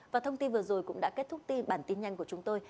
và thông tin vừa rồi cũng đã kết thúc ti bản tin nhanh của chúng tôi